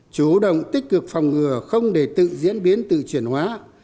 chủ động tích cực phòng ngừa không để tự diễn biến tự chuyển hóa